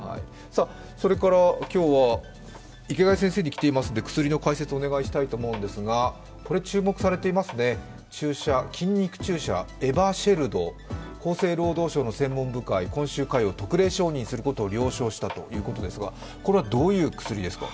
それから今日は池谷先生が来ていますので薬の解説をお願いしたいと思うんですが注目されていますね、筋肉注射、エバシェルド、厚生労働省の専門部会が特例承認することを了承したということですが、どういう薬ですか？